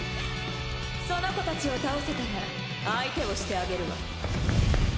その子たちを倒せたら相手をしてあげるわ。